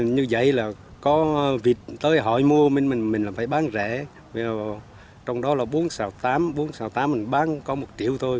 như vậy là có vịt tới hỏi mua minh mình mình là phải bán rẻ trong đó là bốn xào tám bốn xào tám mình bán có một triệu thôi